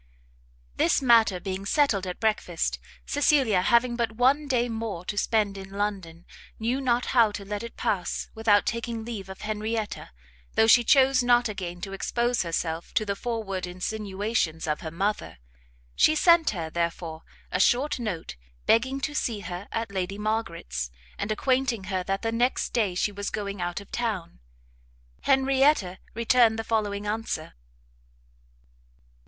This matter being settled at breakfast, Cecilia, having but one day more to spend in London, knew not how to let it pass without taking leave of Henrietta, though she chose not again to expose herself to the forward insinuations of her mother; she sent her, therefore, a short note, begging to see her at Lady Margaret's, and acquainting her that the next day she was going out of town. Henrietta returned the following answer.